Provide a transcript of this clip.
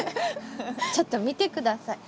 ちょっと見て下さい。